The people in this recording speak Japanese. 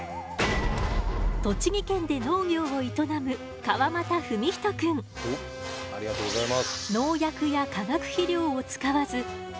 栃木県で農業を営むありがとうございます。